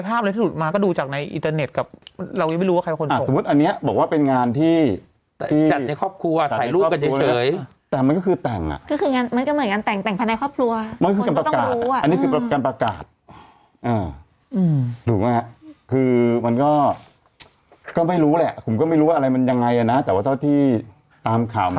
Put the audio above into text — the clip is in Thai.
ไปทุบที่หน้าเมนเผาสกนี่เห็นไหมล่ะ